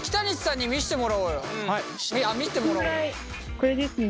これですね。